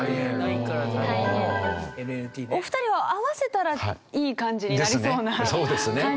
お二人は合わせたらいい感じになりそうな。ですね。